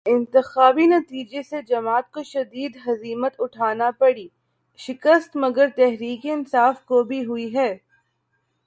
انتخابی نتیجے سے جماعت کو شدید ہزیمت اٹھانا پڑی، شکست مگر تحریک انصاف کو بھی ہوئی ہے۔